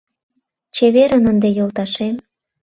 Чеверын ынде, йолташем.